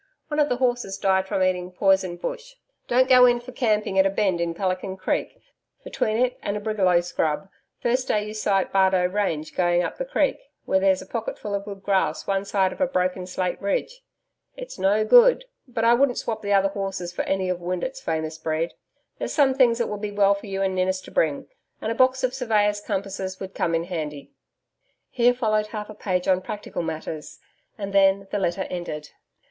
One of the horses died from eating poison bush. Don't go in for camping at a bend in Pelican Creek, between it and a brigalow scrub, first day you sight Bardo Range going up the Creek, where there's a pocket full of good grass one side of a broken slate ridge IT'S NO GOOD. But I wouldn't swop the other horses for any of Windeatt's famous breed. There's some things it would be well for you and Ninnis to bring, and a box of surveyor's compasses would come in handy. Here followed half a page on practical matters, and then the letter ended.